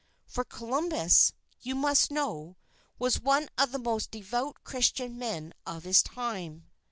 For Columbus, you must know, was one of the most devout Christian men of his time.